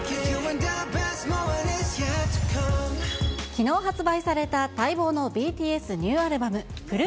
きのう発売された待望のＢＴＳニューアルバム、Ｐｒｏｏｆ。